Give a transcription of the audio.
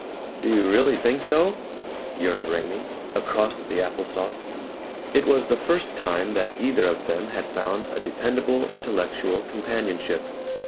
"Do you really think so?" yearned Raymie, across the apple sauce. It was the first time that either of them had found a dependable intellectual companionship.